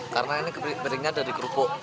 karena ini piring piringnya dari kerupuk